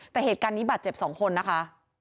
แต่เหตุการณ์นี้บาดเจ็บ๒คนนะคะ